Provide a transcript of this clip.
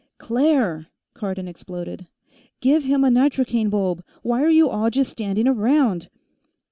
"Claire!" Cardon exploded, "give him a nitrocaine bulb. Why are you all just standing around?"